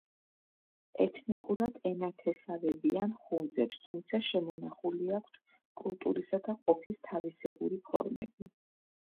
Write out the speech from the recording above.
ეთნიკურად ენათესავებიან ხუნძებს, თუმცა შემონახული აქვთ კულტურისა და ყოფის თავისებური ფორმები.